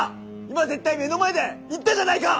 今絶対目の前で言ったじゃないか！